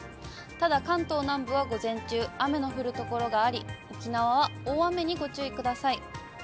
ただ、関東南部は午前中、雨の降る所があり、沖縄は大雨にご注意ください。